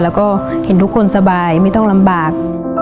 แล้วก็เห็นทุกคนสบายไม่ต้องลำบาก